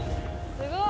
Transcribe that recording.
すごい。